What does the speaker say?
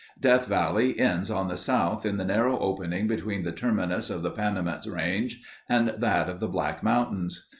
Death Valley ends on the south in the narrow opening between the terminus of the Panamint Range and that of the Black Mountains.